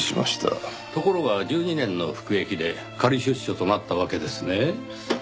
ところが１２年の服役で仮出所となったわけですね。